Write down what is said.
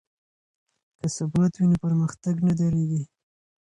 که ثبات وي نو پرمختګ نه دریږي.